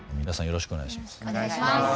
よろしくお願いします。